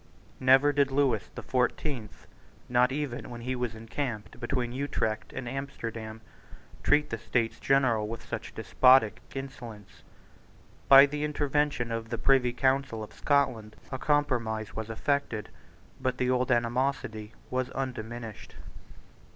Never did Lewis the Fourteenth, not even when he was encamped between Utrecht and Amsterdam, treat the States General with such despotic insolence, By the intervention of the Privy Council of Scotland a compromise was effected: but the old animosity was undiminished.